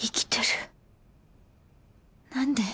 何で？